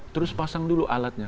terus pasang dulu alatnya